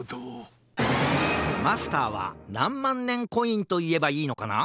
マスターはなんまんねんコインといえばいいのかな？